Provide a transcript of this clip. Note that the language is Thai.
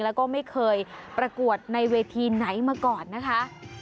แล้วก็ไม่เคยประกวดในเวทีไหนมาก่อนนะคะ